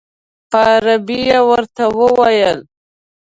په عربي یې ورته وویل.